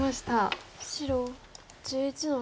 白１１の六。